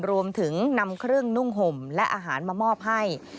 รวมถึงนำเครื่องนุ่งห่มและอาหารมามอบให้